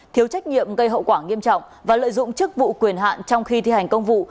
thiếu trách nhiệm gây hậu quả nghiêm trọng và lợi dụng chức vụ quyền hạn trong khi thi hành công vụ